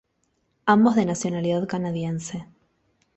Ambos de nacionalidad canadiense.